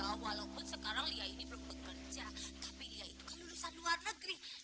ya walaupun sekarang lia ini belum bekerja tapi lia itu kan lulusan luar negeri